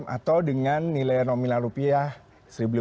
atau dengan nilai nominal rupiah rp seribu lima ratus lima belas